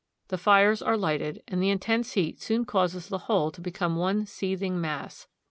The fires are lighted, and the intense heat soon causes the whole to be come one seething mass.